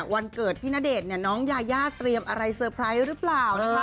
วันเกิดพี่ณเดชน์น้องยายาเตรียมอะไรเซอร์ไพรส์หรือเปล่านะคะ